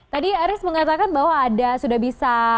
tadi aris mengatakan bahwa ada sudah bisa